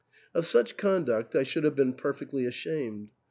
Of such conduct I should have been perfectly ashamed.